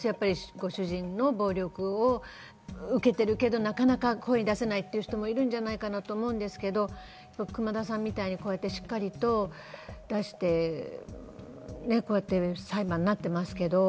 ご主人の暴力を受けてるけど、なかなか声に出せないっていう人もいるんじゃないかなと思うんですけど、熊田さんみたいにこうやってしっかりと裁判になってますけど。